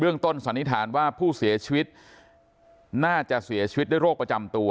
ต้นสันนิษฐานว่าผู้เสียชีวิตน่าจะเสียชีวิตด้วยโรคประจำตัว